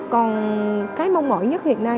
còn cái mong ngợi nhất hiện nay